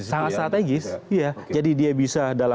sangat strategis jadi dia bisa dalam